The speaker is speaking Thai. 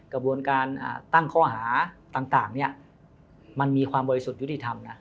กระบวนการตั้งข้อหาต่างเนี่ยมันมีความบริสุทธิ์ยุติธรรมนะ